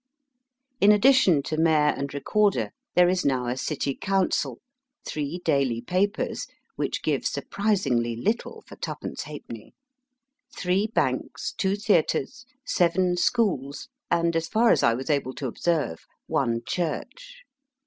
In addition to mayor and recorder, there is now a city council, three daily papers (which give surprisingly little for twopence half penny), three banks, two theatres, seven schools, and, as far as I was able to observe, one church.